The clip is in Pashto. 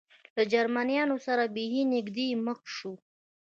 له جرمنیانو سره بېخي نږدې مخ شو.